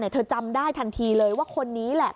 เธอจำได้ทันทีเลยว่าคนนี้แหละ